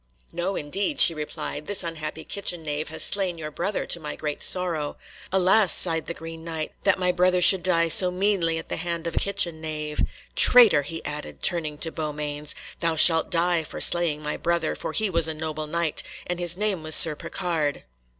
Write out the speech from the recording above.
"No, indeed," she replied, "this unhappy kitchen knave has slain your brother, to my great sorrow." "Alas!" sighed the Green Knight, "that my brother should die so meanly at the hand of a kitchen knave. Traitor!" he added, turning to Beaumains, "thou shalt die for slaying my brother, for he was a noble Knight, and his name was Sir Percard."